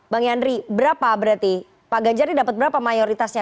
bang yandri berapa berarti pak ganjar ini dapat berapa mayoritasnya